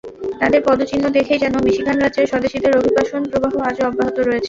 তাদের পদচিহ্ন দেখেই যেন মিশিগান রাজ্যে স্বদেশিদের অভিবাসন প্রবাহ আজও অব্যাহত রয়েছে।